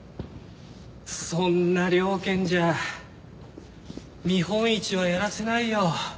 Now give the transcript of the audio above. そんな了見じゃ見本市はやらせないよ。